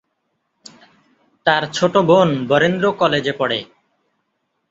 তার ছোট বোন বরেন্দ্র কলেজে পড়ে।